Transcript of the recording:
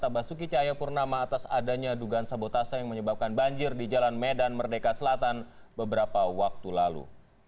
basuki cahayapurnama atas adanya dugaan sabotase yang menyebabkan banjir di jalan medan merdeka selatan beberapa waktu lalu